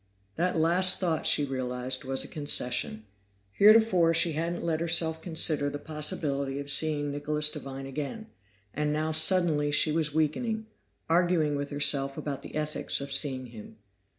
That last thought, she realized, was a concession. Heretofore she hadn't let herself consider the possibility of seeing Nicholas Devine again, and now suddenly she was weakening, arguing with herself about the ethics of seeing him.